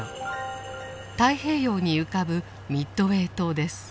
太平洋に浮かぶミッドウェー島です。